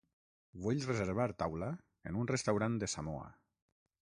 Vull reservar taula en un restaurant de Samoa.